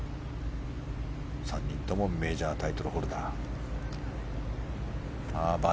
３人ともメジャータイトルホルダー。